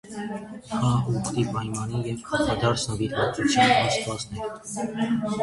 Նա ուխտի, պայմանի և փոխադարձ նվիրվածության աստվածն էր։